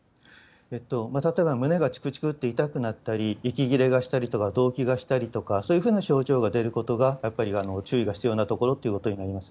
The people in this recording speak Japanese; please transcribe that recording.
例えば、胸がちくちくって痛くなったり、息切れがしたりとか、動悸がしたりとか、そういうふうな症状が出ることが、やっぱり注意が必要なところということになります。